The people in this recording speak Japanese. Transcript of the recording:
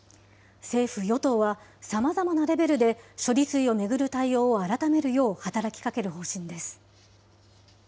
政府・与党はさまざまなレベルで処理水を巡る対応を改めるよう働きかける方針です。